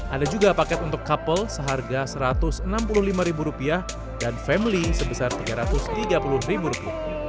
ada juga paket untuk couple seharga rp satu ratus enam puluh lima dan family sebesar rp tiga ratus tiga puluh